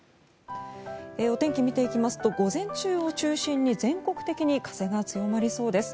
お天気を見ていきますと午前中を中心に全国的に風が強まりそうです。